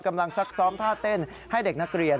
ซักซ้อมท่าเต้นให้เด็กนักเรียน